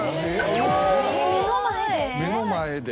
目の前で？